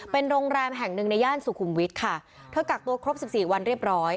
เป็นโรงแรมแห่งหนึ่งในย่านสุขุมวิทย์ค่ะเธอกักตัวครบสิบสี่วันเรียบร้อย